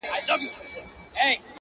نه پر مځکه چا ته گوري نه اسمان ته-